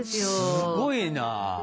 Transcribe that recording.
すごいな。